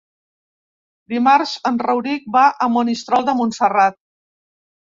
Dimarts en Rauric va a Monistrol de Montserrat.